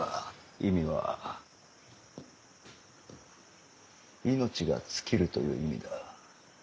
意味は「命が尽きる」という意味だ。